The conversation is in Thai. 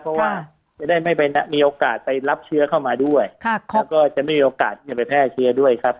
เพราะว่าจะได้ไม่ไปมีโอกาสไปรับเชื้อเข้ามาด้วยแล้วก็จะไม่มีโอกาสที่จะไปแพร่เชื้อด้วยครับ